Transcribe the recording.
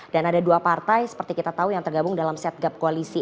dan ada dua partai seperti kita tahu yang tergabung dalam set gap koalisi